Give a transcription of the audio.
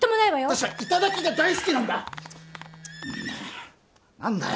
私は頂が大好きなんだ何だよ？